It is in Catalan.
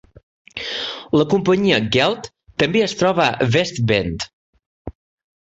La companyia Gehl també es troba a West Bend.